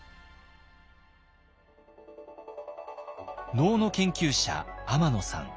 能の研究者天野さん。